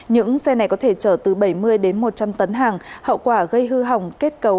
những xe này có thể chở từ bảy mươi đến một trăm linh tấn hàng hậu quả gây hư hỏng kết cấu